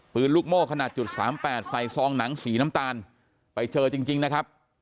ลูกโม่ขนาดจุดสามแปดใส่ซองหนังสีน้ำตาลไปเจอจริงนะครับ